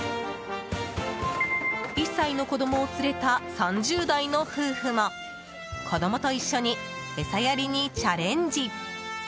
１歳の子どもを連れた３０代の夫婦も子どもと一緒に餌やりにチャレンジ。